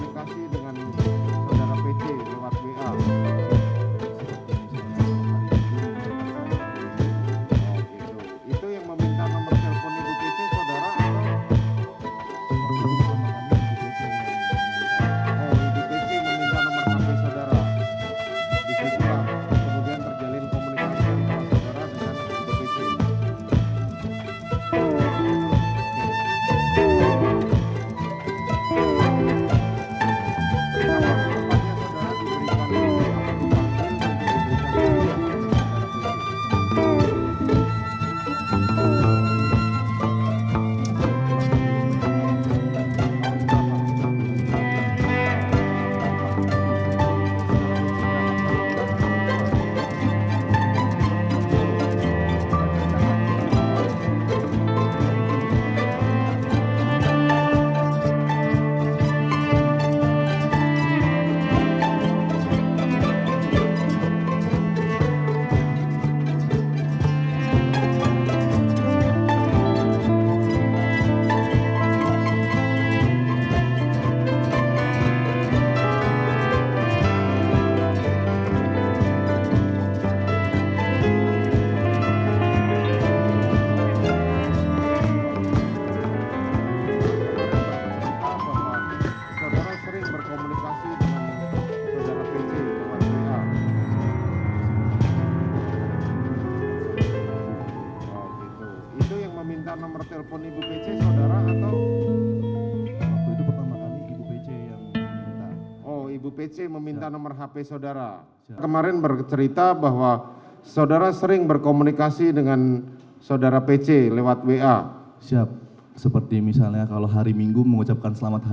kemarin bercerita bahwa saudara sering berkomunikasi dengan saudara pc di wadwiak